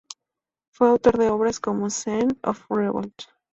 Fue autor de obras como "Seeds of Revolt.